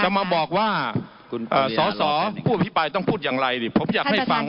จะมาบอกว่าสอสอผู้อภิปรายต้องพูดอย่างไรนี่ผมอยากให้ฟัง